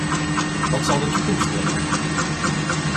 Wat zal de toekomst brengen?